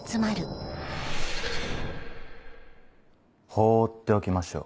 放っておきましょう。